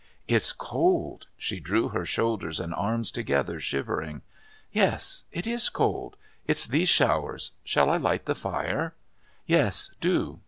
"It's cold." She drew her shoulders and arms together, shivering. "Yes. It is cold. It's these showers. Shall I light the fire?" "Yes, do."